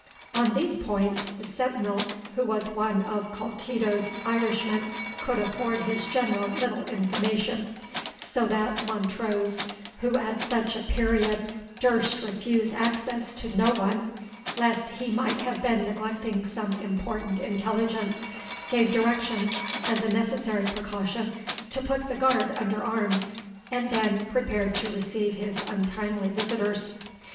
On these points, the sentinel, who was one of Colkitto's Irishmen, could afford his General little information; so that Montrose, who at such a period durst refuse access to no one, lest he might have been neglecting some important intelligence, gave directions, as a necessary precaution, to put the guard under arms, and then prepared to receive his untimely visitors.